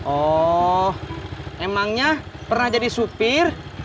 oh emangnya pernah jadi supir